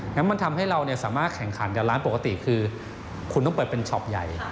งั้นมันทำให้เราสามารถแข่งขันกับร้านปกติคือคุณต้องเปิดเป็นช็อปใหญ่